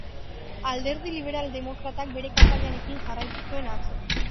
Alderdi liberal-demokratak bere kanpainarekin jarraitu zuen atzo.